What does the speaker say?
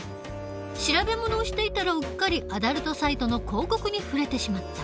調べ物をしていたらうっかりアダルトサイトの広告に触れてしまった。